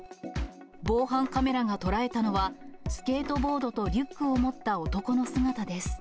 防犯カメラが捉えたのは、スケートボードとリュックを持った男の姿です。